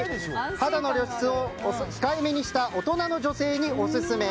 肌の露出を控えめにした大人の女性にオススメ。